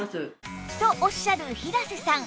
とおっしゃる平瀬さん